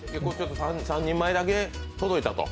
３人前だけ届いたと。